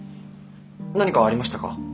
何かありましたか？